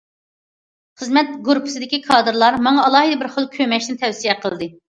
خىزمەت گۇرۇپپىسىدىكى كادىرلار ماڭا ئالاھىدە بىر خىل كۆمەچنى تەۋسىيە قىلدى.